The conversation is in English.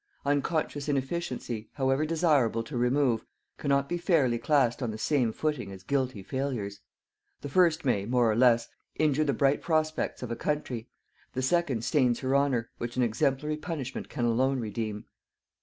Unconscious inefficiency, however desirable to remove, cannot be fairly classed on the same footing as guilty failures. The first may, more or less, injure the bright prospects of a country; the second stains her honour which an exemplary punishment can alone redeem.